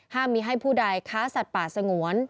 มีให้ผู้ใดค้าสัตว์ป่าสงวน